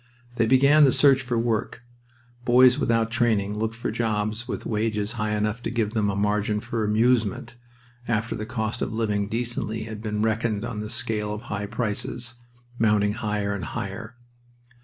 Then began the search for work. Boys without training looked for jobs with wages high enough to give them a margin for amusement, after the cost of living decently had been reckoned on the scale of high prices, mounting higher and higher.